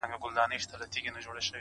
په اساس کي بس همدغه شراکت دئ!.